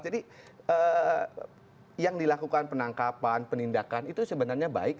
jadi yang dilakukan penangkapan penindakan itu sebenarnya baik